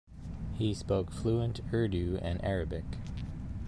He spoke fluent Urdu and Arabic.